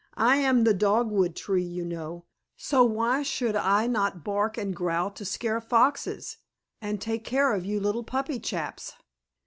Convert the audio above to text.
"I am the dogwood tree, you know, so why should I not bark and growl to scare foxes, and take care of you little puppy chaps?